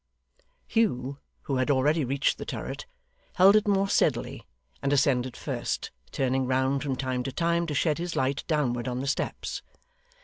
Hugh, who had already reached the turret, held it more steadily, and ascended first, turning round from time to time to shed his light downward on the steps.